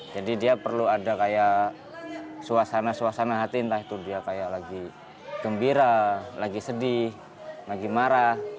jadi dia perlu ada kayak suasana suasana hati entah itu dia kayak lagi gembira lagi sedih lagi marah